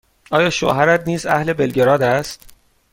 آیا شوهرت نیز اهل بلگراد است؟